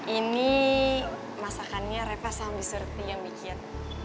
ini masakannya reva sama bisurti yang bikin